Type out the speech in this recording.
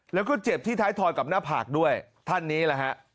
แล้วก็เจ็บที่ท้ายทอยกับหน้าผากด้วยท่านนี้แหละฮะ